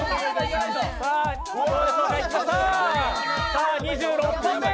さあ、２６本目。